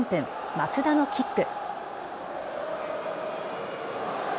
松田のキック。